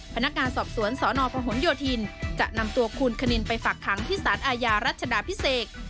พนักงานสอบสวนสนพหนโยธินจะนำตัวคุณคณินไปฝากขังที่สารอาญารัชดาพิเศษ